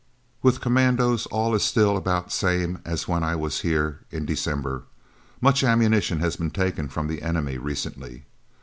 With Commandos all is still about the same as when I was here in December. Much ammunition has been taken from the enemy recently.